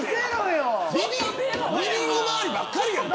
リビング周りばっかりやんけ。